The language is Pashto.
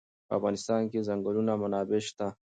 په افغانستان کې د چنګلونه منابع شته.